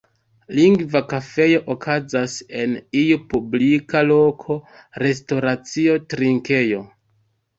Lingva kafejo okazas en iu publika loko, restoracio, trinkejo.